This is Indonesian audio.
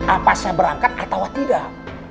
apa saya berangkat atau apa tidak